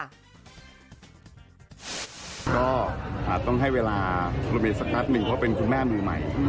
ก็ต้องให้เวลาละมีสักครั้งหนึ่งเพราะว่าเป็นคุณแม่มือใหม่